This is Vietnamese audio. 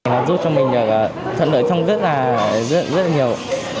nó giúp cho mình thuận lợi thông rất là nhiều